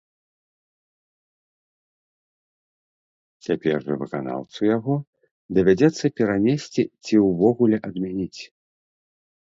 Цяпер жа выканаўцу яго давядзецца перанесці ці ўвогуле адмяніць.